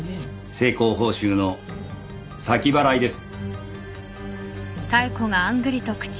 成功報酬の先払いです。